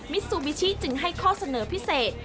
ซูบิชิจึงให้ข้อเสนอพิเศษ